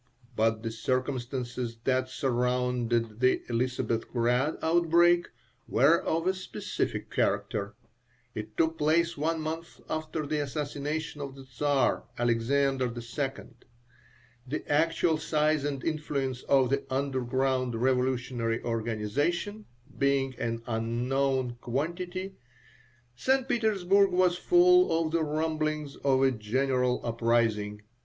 But the circumstances that surrounded the Elisabethgrad outbreak were of a specific character. It took place one month after the assassination of the Czar, Alexander II. The actual size and influence of the "underground" revolutionary organization being an unknown quantity, St. Petersburg was full of the rumblings of a general uprising.